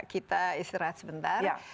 kita istirahat sebentar